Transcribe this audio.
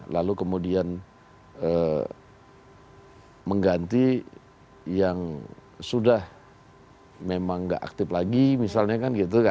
lalu kemudian mengganti yang sudah memang nggak aktif lagi misalnya kan gitu